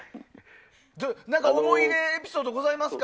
思い出エピソードございますか？